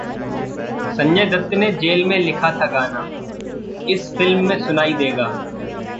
संजय दत्त ने जेल में लिखा था गाना, इस फिल्म में सुनाई देगा